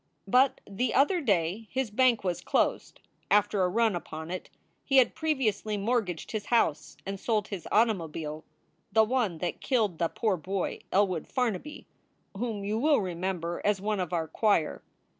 But the other day his bank was closed after a run upon it. He had previously mortgaged his house and sold his automobile the one that killed the poor boy, Elwood Farnaby, whom you will remember as one of our choir.